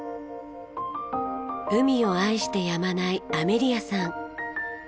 海を愛してやまないアメリアさん。